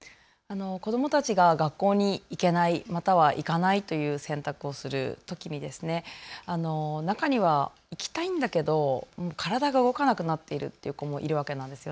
子どもたちが学校に行けない、または行かないという選択をするときに中には行きたいんだけれど体が動かなくなっているという子もいるわけなんです。